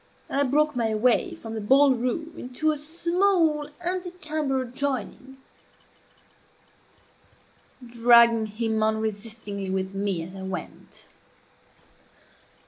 and I broke my way from the ball room into a small ante chamber adjoining, dragging him unresistingly with me as I went.